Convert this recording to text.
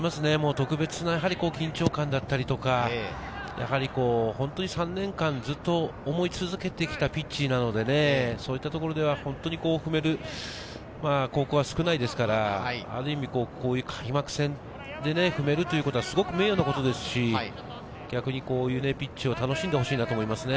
特別な緊張感だったり、本当に３年間ずっと思い続けてきたピッチなので、本当に踏める高校は少ないですから、ある意味、開幕戦で踏めるというのはすごく名誉なことですし、逆にこういうピッチを楽しんでほしいなと思いますね。